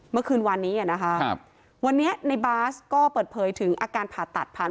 เมื่อคืนวานนี้นะคะวันนี้ในบาสก็เปิดเผยถึงอาการผ่าตัดผ่าน